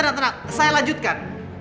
tenang tenang tenang saya lanjutkan